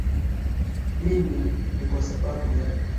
ini ni kwa sababu ya